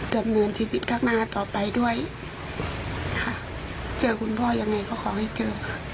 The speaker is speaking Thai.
ดำเนินชีวิตข้างหน้าต่อไปด้วยค่ะเจอคุณพ่อยังไงก็ขอให้เจอค่ะ